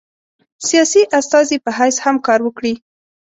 سیاسي استازي په حیث هم کار وکړي.